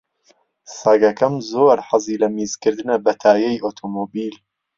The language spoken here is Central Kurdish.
سەگەکەم زۆر حەزی لە میزکردنە بە تایەی ئۆتۆمۆبیل.